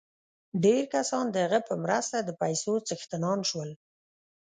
ډېر کسان د هغه په مرسته د پیسو څښتنان شول